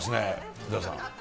古田さん。